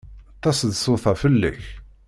Taseḍsut-a fell-ak.